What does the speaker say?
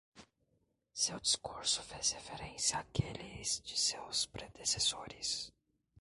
Seu discurso fez referência àqueles de seus predecessores.